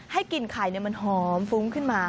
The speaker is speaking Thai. ให้กลิ่นไข่มันหอมฟุ้งขึ้นมา